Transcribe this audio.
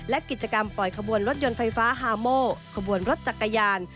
และกิจกรรมปล่อยขบวนรถยนต์ไฟฟ้าฮาโมขบวนรถจักรยาน